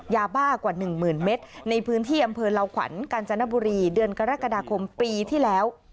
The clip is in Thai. ยาบ้ากว่า๑๐๐๐เมตรในพื้นที่อำเภอลาวขวัญกาญจนบุรีเดือนกรกฎาคมปีที่แล้ว